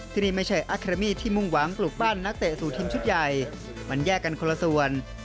ที่นี่ไม่ใช่อาคามีที่มุ่งหวังปลูกบ้านนักเตะสู่ทีมชุดใหญ่มันแยกกันคนละส่วน